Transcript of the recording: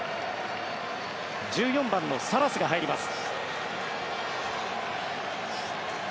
１４番のサラスが入ります。